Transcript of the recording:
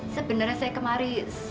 sebenernya saya kemakasih supra